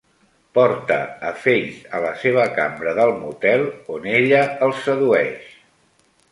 Porta a Faith a la seva cambra del motel, on ella el sedueix.